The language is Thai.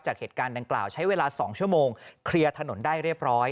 เหตุการณ์ดังกล่าวใช้เวลา๒ชั่วโมงเคลียร์ถนนได้เรียบร้อย